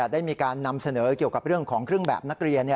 ได้มีการนำเสนอเกี่ยวกับเรื่องของเครื่องแบบนักเรียน